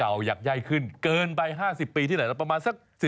เอายากย่ายขึ้นเกินไป๕๐ปีที่ไหนประมาณสัก๑๐๒๐ปี